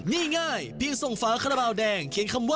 นี่ง่ายเพียงส่งฟ้าขระเบาแดง